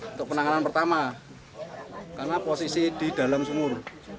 untuk penanganan pertama karena posisi di dalam sumur